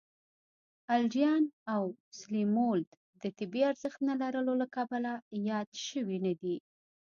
الجیان او سلیمولد د طبی ارزښت نه لرلو له کبله یاد شوي نه دي.